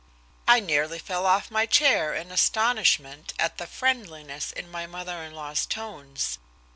I nearly fell off my chair in astonishment at the friendliness in my mother in law's tones.